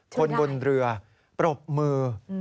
คนบนเรือปรบมือ